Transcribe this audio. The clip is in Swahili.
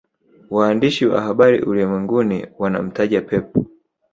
Waandishi wa habari ulimwenguni wanamtaja Pep